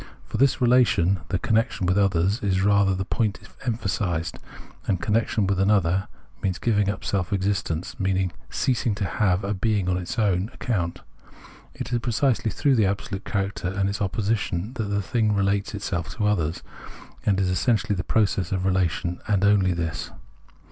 For in this relation, the connection with another is rather the point emphasised, and connection with another means giving up self existence, means ceasing to have a being on its own account. It is precisely through the absolute character and its opposition that the thing relates itself to others, and is essentially this process of relation, and only this.